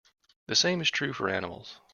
The same is true for animals.